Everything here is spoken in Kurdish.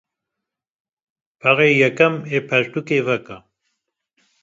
Perê yekem ê pertûkê veke.